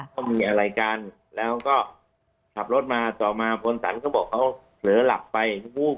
เขามีอะไรกันแล้วก็ขับรถมาต่อมาพลสันก็บอกเขาเผลอหลับไป